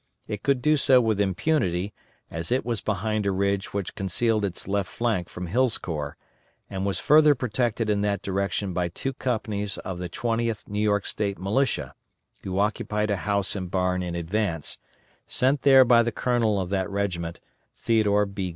It could do so with impunity, as it was behind a ridge which concealed its left flank from Hill's corps, and was further protected in that direction by two companies of the 20th New York State Militia, who occupied a house and barn in advance, sent there by the colonel of that regiment, Theodore B.